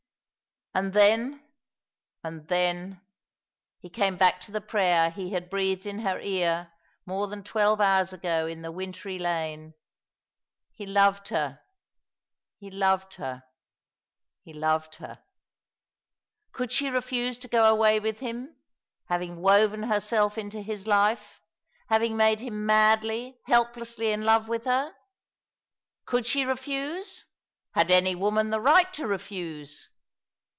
:. And then — and then — he came back to the prayer he had breathed in her ear more than twelve hours ago in the wintry lane. He loved her, he loved her, he loved her ! CouJd she refuse to go away with him — having woven herself into his life, having made him madly, helplessly in love with her ? Could she refuse? Had any woman the right to refuse?